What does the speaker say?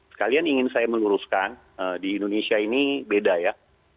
sekalian ingin saya meluruskan di indonesia ini beda ya